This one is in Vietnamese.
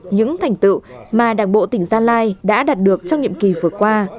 những thành tựu mà đảng bộ tỉnh gia lai đã đạt được trong nhiệm kỳ vừa qua